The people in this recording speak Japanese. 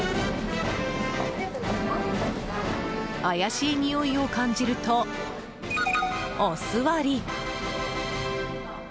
怪しいにおいを感じるとお座り。